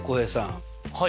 はい。